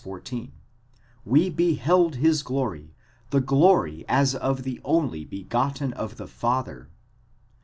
14): We beheld his glory, the glory as of the only begotten of the Father.